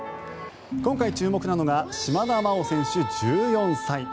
今回注目なのが島田麻央選手、１４歳。